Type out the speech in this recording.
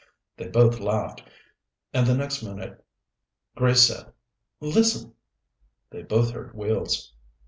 They both laughed, and the next minute Grace said, "Listen!" They both heard wheels.